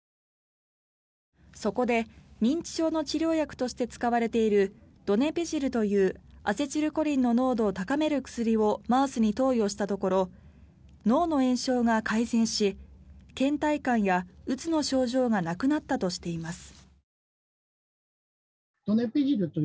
そこで認知症の治療薬として使われているドネペジルというアセチルコリンの濃度を高める薬をマウスに投与したところ脳の炎症が改善しけん怠感やうつの症状がなくなったとしています。